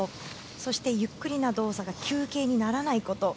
そしてゆっくりな動作が休憩にならないこと。